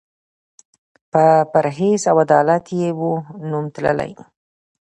په پرهېز او عدالت یې وو نوم تللی